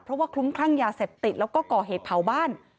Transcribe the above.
เพราะว่าคลุ้มคลั่งยาเสพติดแล้วก็ก่อเหตุเผาบ้าน